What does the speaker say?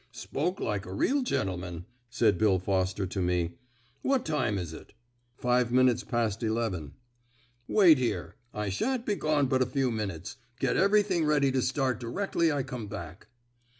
"Spoke like a real gentleman," said Bill Foster to me. "What time is it?" "Five minutes past eleven." "Wait here; I sha'n't be gone but a few minutes. Get everything ready to start directly I come back."